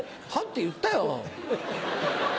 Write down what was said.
言ったよ。